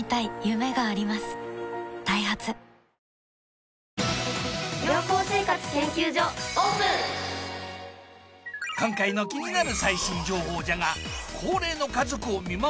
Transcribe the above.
ダイハツ今回の気になる最新情報じゃが。